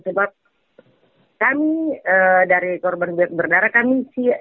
sebab kami dari korban biaya pemberdayaan kami